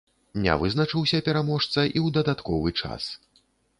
Не вызначыўся пераможца і ў дадатковы час.